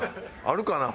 あるかな？